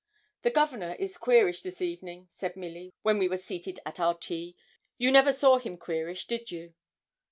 'The Governor is queerish this evening,' said Milly, when we were seated at our tea. 'You never saw him queerish, did you?'